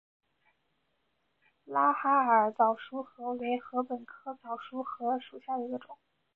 拉哈尔早熟禾为禾本科早熟禾属下的一个种。